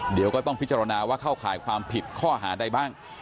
เดี๋ยวก็ต้องพิจารณาว่าเข้าข่ายความผิดข้อหาใดบ้าง